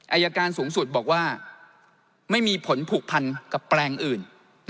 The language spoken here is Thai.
อายการสูงสุดบอกว่าไม่มีผลผูกพันกับแปลงอื่น